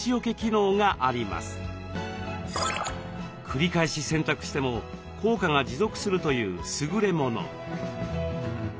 繰り返し洗濯しても効果が持続するというすぐれもの。